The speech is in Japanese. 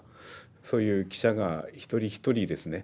そういう記者が一人一人ですね